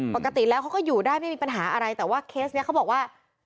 ปกติแล้วเขาก็อยู่ได้ไม่มีปัญหาอะไรแต่ว่าเคสนี้เขาบอกว่า